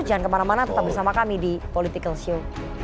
jangan kemana mana tetap bersama kami di political show